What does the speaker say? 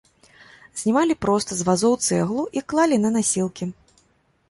Знімалі проста з вазоў цэглу і клалі на насілкі.